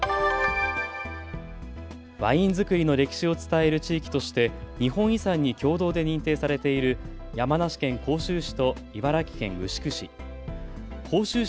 ワイン造りの歴史を伝える地域として日本遺産に共同で認定されている山梨県甲州市と茨城県牛久市。